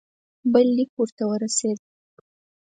بل لیک ورته ورسېد.